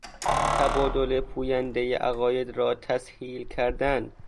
تبادل پویندهی عقاید را تسهیل کردن